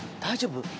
大丈夫？